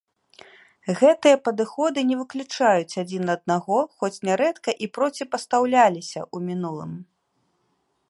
Гэтыя падыходы не выключаюць адзін аднаго, хоць нярэдка і проціпастаўляліся ў мінулым.